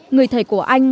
người thầy của anh